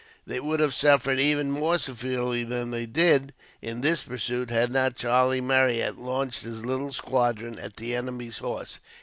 They would have suffered even more severely than they did, in this pursuit, had not Charlie Marryat launched his little squadron at the enemy's horse.